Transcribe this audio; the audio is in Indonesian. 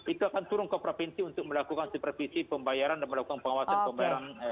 itu akan turun ke provinsi untuk melakukan supervisi pembayaran dan melakukan pengawasan pembayaran